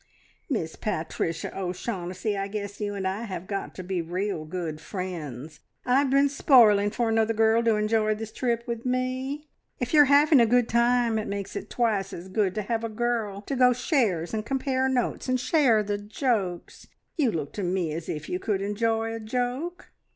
"Miss Pat ricia O'Shaughnessy, I guess you and I have got to be real good friends! I've been spoiling for another girl to enjoy this trip with me. If you're having a good time, it makes it twice as good to have a girl to go shares, and compare notes, and share the jokes. You look to me as if you could enjoy a joke."